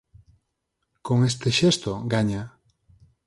"Con este xesto, gaña!"